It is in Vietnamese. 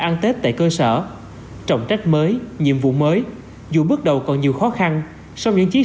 ăn tết tại cơ sở trọng trách mới nhiệm vụ mới dù bước đầu còn nhiều khó khăn sau những chiến